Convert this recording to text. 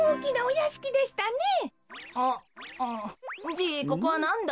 じいここはなんだ？